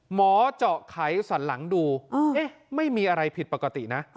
หมอเจาะไขสันหลังดูไม่มีอะไรผิดปกตินะ